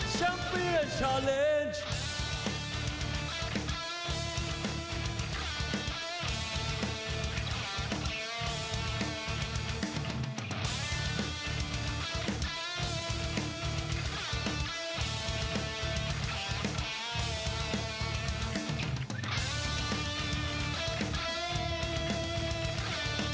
ชัมพี่และชาวเล็ก